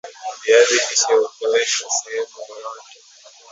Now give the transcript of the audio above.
viazi lishe huoteshwa sehemu yoyote